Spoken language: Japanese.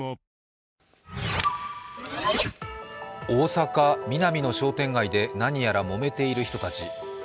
大阪・ミナミの商店街で何やら、もめている人たち。